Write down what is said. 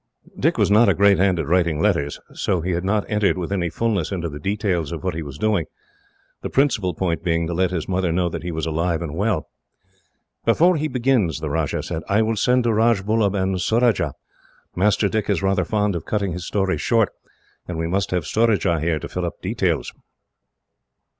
Dick was not a great hand at writing letters, so he had not entered, with any fullness, into the details of what he was doing, the principal point being to let his mother know that he was alive and well. "Before he begins," the Rajah said, "I will send for Rajbullub and Surajah. Master Dick is rather fond of cutting his stories short, and we must have Surajah here to fill up details."